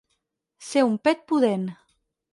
Ser un pet pudent.